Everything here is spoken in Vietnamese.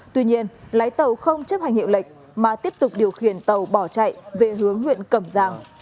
tuy nhiên lái tàu không chấp hành hiệu lệnh mà tiếp tục điều khiển tàu bỏ chạy về hướng huyện cầm giang